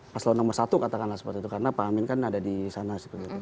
paslon nomor satu katakanlah seperti itu karena pak amin kan ada di sana